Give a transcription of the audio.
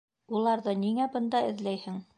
Уларҙы ниңә бында эҙләйһең?